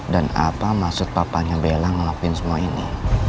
dan apa maksud papanya bella ngelapin semua ini